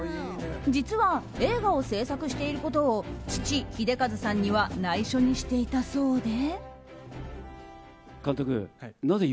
実は、映画を制作していることを父・英和さんには内緒にしていたそうで。